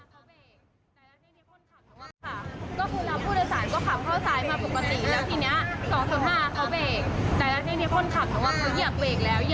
๒๕เขาเบ่งคันแต่คันหัวว่าเบ่งไม่ทันแล้ว